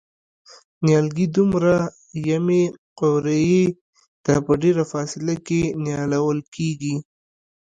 نیالګي دوه یمې قوریې ته په ډېره فاصله کې نیالول کېږي.